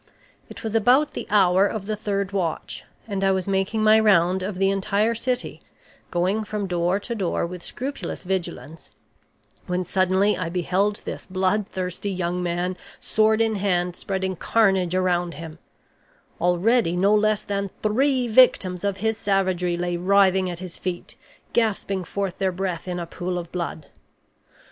"It was about the hour of the third watch, and I was making my round of the entire city, going from door to door with scrupulous vigilance, when suddenly I beheld this bloodthirsty young man, sword in hand, spreading carnage around him; already, no less than three victims of his savagery lay writhing at his feet, gasping forth their breath in a pool of blood.